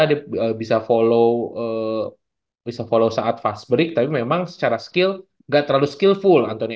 dia bisa follow bisa follow saat fast break tapi memang secara skill nggak terlalu skillful antoni